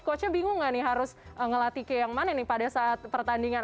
coachnya bingung gak nih harus ngelatih ke yang mana nih pada saat pertandingan